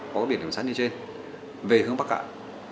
có biển kiểm soát như trên về hướng bắc cạn